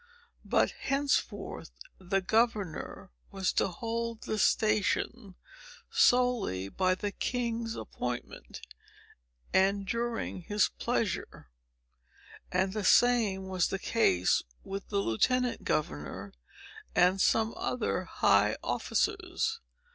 But henceforth the governor was to hold his station solely by the king's appointment, and during his pleasure; and the same was the case with the lieutenant governor, and some other high officers.